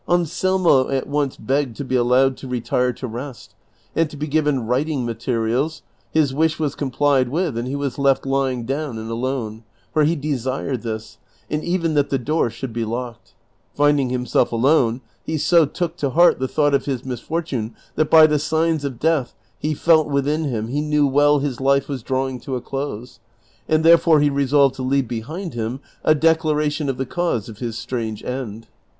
Anselmo at once begged to be allowed to retire to rest, and to be given writing materials. His wish was complied with, and he was left lying down and alone, for he desired this, and even that the door should be locked. Finding himself alone, he so took to heart the thought of his misfortune that by the signs of death he felt within him, he knew well his life was drawing to a close, and therefore he resolved to leave behind him a declaration of the cause of his strangle end.